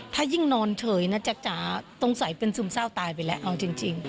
ถ้ายิ่งนอนเฉยจักรจ๋าตรงสัยเป็นซุ่มเซ่าตายไปแล้วเอาจริง